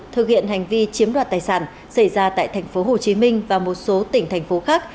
thực hiện hành vi chiếm đoạt tài sản xảy ra tại tp hcm và một số tỉnh thành phố khác